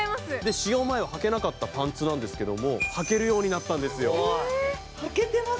使用前ははけなかったパンツなんですけれどもはけるようになったんですよ。